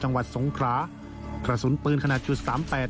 จังหวัดสงครากระสุนปืนขนาดจุดสามแปด